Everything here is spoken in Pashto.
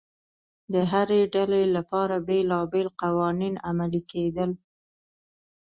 د هرې ډلې لپاره بېلابېل قوانین عملي کېدل